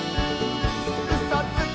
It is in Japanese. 「うそつき！」